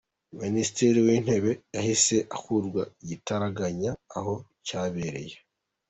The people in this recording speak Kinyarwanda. Minisitiri w'intebe yahise akurwa igitaraganya aho cyabereye.